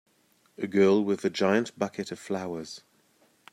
A girl with a giant bucket of flowers.